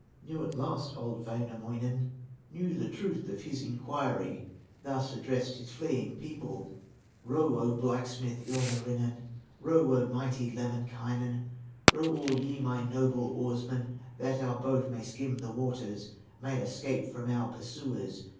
Knew at last old Wainamoinen, Knew the truth of his inquiry, Thus addressed his fleeing people: "Row, O blacksmith, Ilmarinen, Row, O mighty Lemminkainen, Row, all ye my noble oarsmen, That our boat may skim the waters, May escape from our pursuers!"